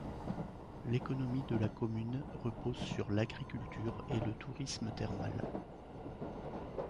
L'économie de la commune repose sur l'agriculture et le tourisme thermal.